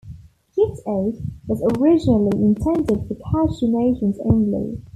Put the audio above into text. Gift Aid was originally intended for cash donations only.